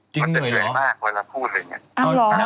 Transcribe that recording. พี่พูดไม่ไหวเลยเหรอ